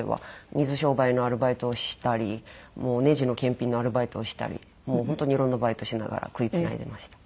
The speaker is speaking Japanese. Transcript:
水商売のアルバイトをしたりねじの検品のアルバイトをしたり本当にいろんなバイトしながら食いつないでました。